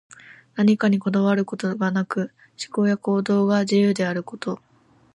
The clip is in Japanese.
何かにこだわることがなく、思考や行動が自由であること。